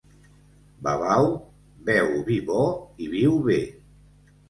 Babau, beu vi bo i viu bé.